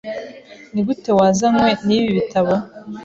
Nigute wazanywe nibi bitabo?